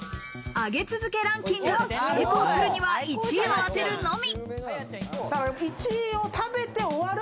上げ続けランキング、成功するには１位を当てるのみ。